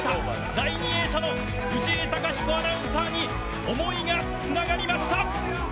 第２泳者の藤井貴彦アナウンサーに思いがつながりました！